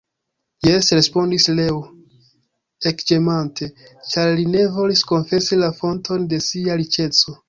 Jes, respondis Leo, ekĝemante, ĉar li ne volis konfesi la fonton de sia riĉeco.